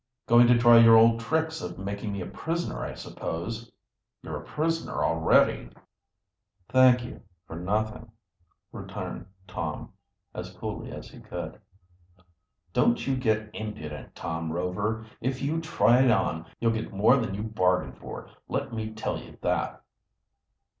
"Going to try your old tricks of making me a prisoner, I suppose." "You're a prisoner already." "Thank you, for nothing," returned Tom, as coolly as he could. "Don't you get impudent, Tom Rover. If you try it on, you'll get more than you bargain for, let me tell you that."